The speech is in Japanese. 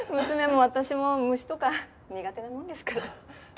娘も私も虫とか苦手なものですから。